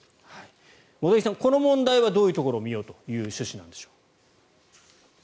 茂木さん、この問題はどういうところを見ようという趣旨なんですか。